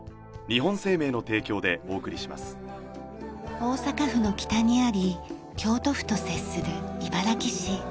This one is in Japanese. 大阪府の北にあり京都府と接する茨木市。